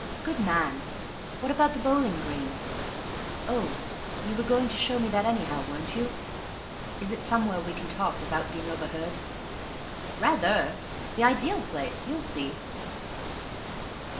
"Good man. What about the bowling green?" "Oh, you were going to show me that, anyhow, weren't you? Is it somewhere where we can talk without being overheard?" "Rather. The ideal place. You'll see."